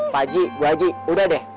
pak haji bu haji udah deh